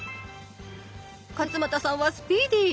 勝俣さんはスピーディー。